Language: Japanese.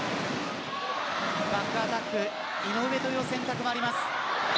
バックアタック井上という選択もあります。